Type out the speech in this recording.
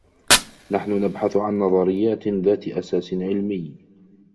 نحن نبحث عن نظريات ذات أساس علمي.